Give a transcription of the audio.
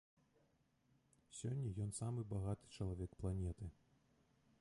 Сёння ён самы багаты чалавек планеты.